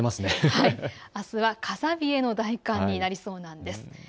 あすは風冷えの大寒になりそうなんです。